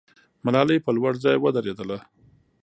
ملالۍ په لوړ ځای ودرېده.